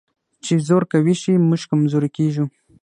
چې زور قوي شي، موږ کمزوري کېږو.